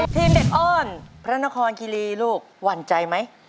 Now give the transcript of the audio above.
เด็กอ้อนพระนครคิรีลูกหวั่นใจไหม